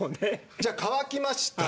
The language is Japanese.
じゃあ乾きました。